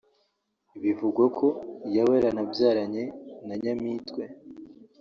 bivugwa ko yaba yaranabyaranye na Nyamitwe